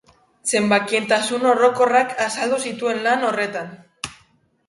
Zenbakien tasun orokorrak azaldu zituen lan horretan.